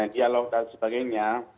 dialog dan sebagainya